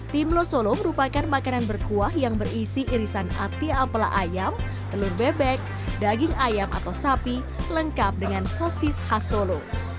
timlo solo merupakan makanan berkuah yang berisi irisan ati apela ayam telur bebek daging ayam atau sapi lengkap dengan sosis khas solo